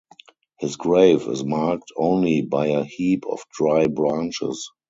His grave is marked only by a heap of dry branches.